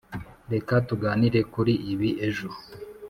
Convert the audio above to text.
reka tuganire kuri ibi ejo.